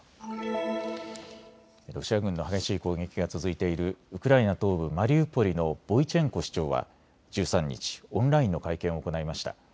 ロシア軍の激しい攻撃が続いているウクライナ東部マリウポリのボイチェンコ市長は１３日、オンラインの会見を行いました。